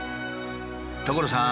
所さん！